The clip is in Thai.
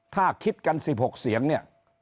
ถ้าคิดกัน๑๖เสียงเนี่ย